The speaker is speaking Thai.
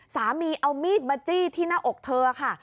สามีเอามีดมาจี้ที่หน้าอกเธอค่ะ